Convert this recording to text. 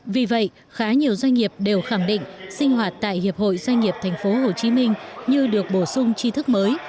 vì vậy khá nhiều doanh nghiệp đều khẳng định sinh hoạt tại hiệp hội doanh nghiệp tp hcm như được bổ sung chi thức mới